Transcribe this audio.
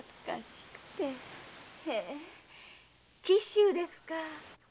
へえ紀州ですか。